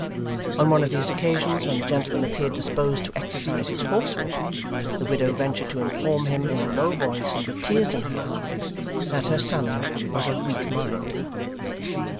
On one of these occasions, when the gentleman appeared disposed to exercise his horsewhip, the widow ventured to inform him in a low voice and with tears in her eyes, that her son was of weak mind.